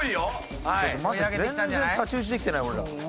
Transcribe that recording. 全然太刀打ちできてない俺ら。